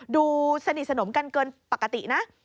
ดูสนิทสนมกันเกินปกตินะ